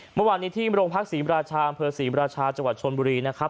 หมัดวันนี้ที่มหลวงพลักษณ์ศรีวิราชาอำเภอศรีวิราชาจังหวัดชนบุรีนะครับ